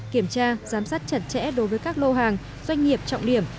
kiểm tra giám sát chặt chẽ đối với các lô hàng doanh nghiệp trọng điểm